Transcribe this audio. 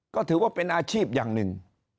ก็ถือว่าเป็นอาชีพอย่างหนึ่ง